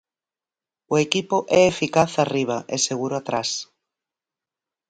O equipo é eficaz arriba e seguro atrás.